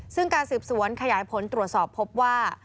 ซึ่งการสืบสวนขยายผลตรวจสอบพบว่า